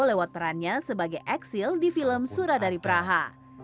lewat perannya sebagai eksil di film surah dari praha